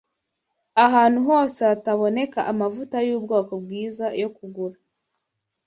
ahantu hose hataboneka amavuta y’ubwoko bwiza yo kugura.